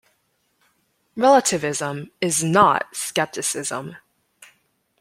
Relativism is not skepticism.